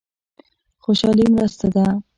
خوشالي مرسته ده.